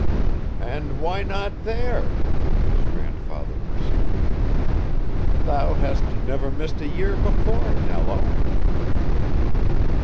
"And why not there?" his grandfather pursued. "Thou hast never missed a year before, Nello."